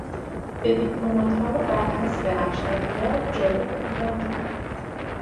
به دیپلماتها برحسب ارشدیت جا داده بودند.